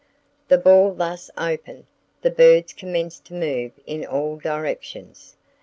"The ball thus opened, the birds commenced to move in all directions.